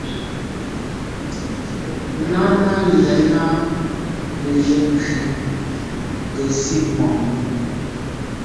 Nana lɛ̂n á nə yǒbkwì gə zí’ mwα̂ʼnì.